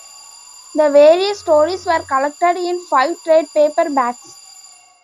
The various stories were collected in five Trade paper backs.